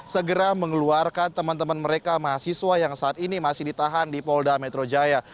segera mengeluarkan teman teman mereka mahasiswa yang saat ini masih ditahan di polda metro jaya